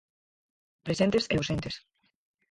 Presentes e ausentes.